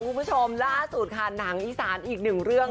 คุณผู้ชมล่าสุดค่ะหนังอีสานอีกหนึ่งเรื่อง